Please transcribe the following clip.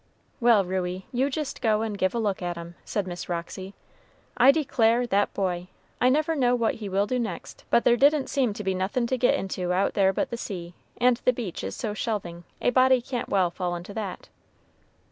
"Well, Ruey, you jist go and give a look at 'em," said Miss Roxy. "I declare, that boy! I never know what he will do next; but there didn't seem to be nothin' to get into out there but the sea, and the beach is so shelving, a body can't well fall into that."